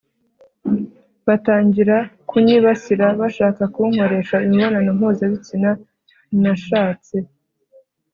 batangiraga kunyibasira bashaka kunkoresha imibonano mpuzabitsina nashatse